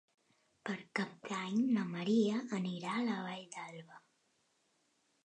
Per Cap d'Any na Maria anirà a la Vall d'Alba.